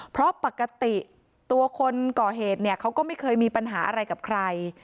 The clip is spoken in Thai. เพราะปกติตัวคนก่อเหตุเนี่ยเขาก็ไม่เคยมีปัญหาอะไรกับใคร